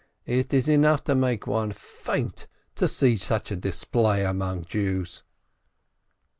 It is enough to make one faint to see such a display among Jews!"